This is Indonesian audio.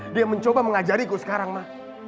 dia mencoba mengajariku sekarang mah